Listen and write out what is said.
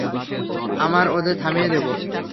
আমরা ওদের থামিয়ে দেবো।